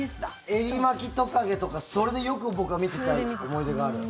エリマキトカゲとかそれでよく僕は見てた思い出がある。